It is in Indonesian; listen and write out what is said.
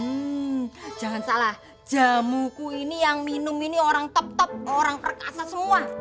hmm jangan salah jamuku ini yang minum ini orang top top orang perkasa semua